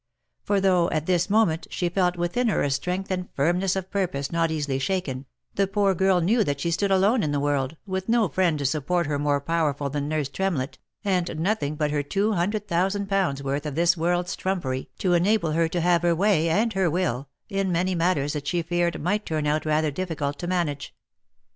For though at this moment she felt within her a strength and firmness of purpose not easily shaken, the poor girl knew that she stood alone in the world, with no friend to support her more powerful than nurse Tremlett, and nothing but her two hundred thousand pounds' worth of this world's trumpery to enable her to have her way, and her will, in many matters that she feared might turn out rather difficult to manage.